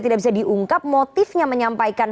tidak bisa diungkap motifnya menyampaikan